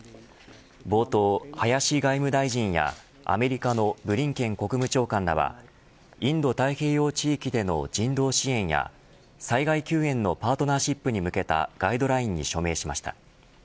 冒頭、林外務大臣やアメリカのブリンケン国務長官らはインド太平洋地域での人道支援や災害救援のパートナーシップに向けたガイドラインに署名しました。